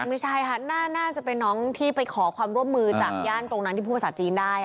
ไม่ใช่ค่ะน่าจะเป็นน้องที่ไปขอความร่วมมือจากย่านตรงนั้นที่พูดภาษาจีนได้